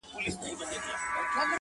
خو نورو بیا د توهین